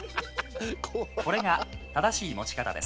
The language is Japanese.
「これが正しい持ち方です」